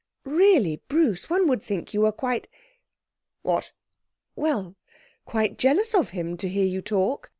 'Really, Bruce, one would think you were quite ' 'What?' 'Well, quite jealous of him, to hear you talk.